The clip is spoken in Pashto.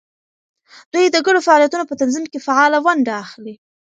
دوی د ګډو فعالیتونو په تنظیم کې فعاله ونډه اخلي.